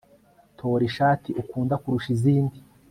Tora ishati ukunda kurusha izindi